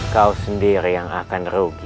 kau sendiri yang akan rugi